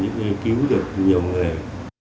những nghiên cứu được nhiều người